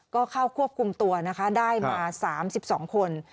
ก็เข้าควบคุมตัวนะคะได้มา๓๒คน